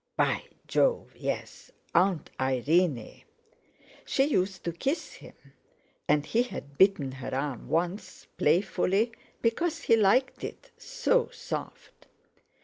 By Jove, yes! Aunt Irene! She used to kiss him, and he had bitten her arm once, playfully, because he liked it—so soft.